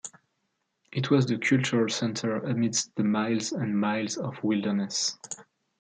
It was the "cultural center" amidst the miles and miles of wilderness.